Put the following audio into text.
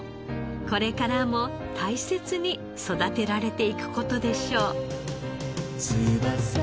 これからも大切に育てられていく事でしょう。